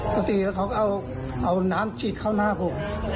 ปกติเขาเอาน้ำฉีดเข้าหน้าผม